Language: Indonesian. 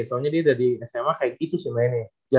soalnya dia dari sma kayak gitu sih mainnya